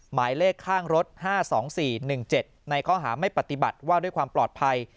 หมายเลขข้างรถ๕๒๔๑๗ในข้อหาไม่ปฏิบัติว่าด้วยความปลอดภัย